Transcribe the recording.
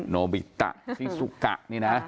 โนบิตะซิซุกะนี่นะ